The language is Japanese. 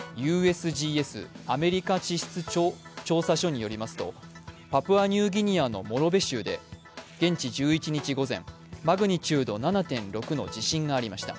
ＵＳＧＳ＝アメリカ地質調査所によりますと、パプアニューギニアのモロベ州で現地１１日午前、マグニチュード７．６の地震がありました。